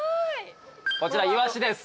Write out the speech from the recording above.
こちらイワシです。